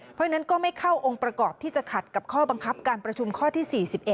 เพราะฉะนั้นก็ไม่เข้าองค์ประกอบที่จะขัดกับข้อบังคับการประชุมข้อที่๔๑